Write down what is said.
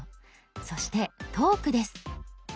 そして「トーク」です。